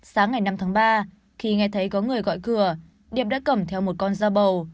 sáng ngày năm tháng ba khi nghe thấy có người gọi cửa điệp đã cầm theo một con dao bầu